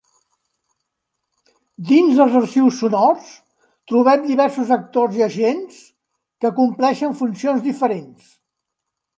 Dins dels arxius sonors trobem diversos actors i agents que compleixen funcions diferents.